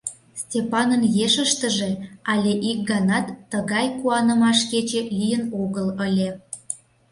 Степанын ешыштыже але ик ганат тыгай куанымаш кече лийын огыл ыле.